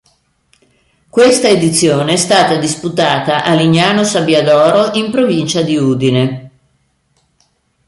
Questa edizione è stata disputata a Lignano Sabbiadoro in provincia di Udine.